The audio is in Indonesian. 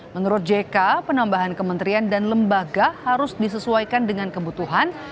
menurut jk penambahan kementerian dan lembaga harus disesuaikan dengan kebutuhan